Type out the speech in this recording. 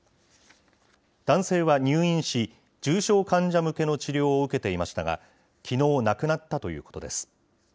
男性は入院し、重症患者向けの治療を受けていましたが、きのう亡くなったということです。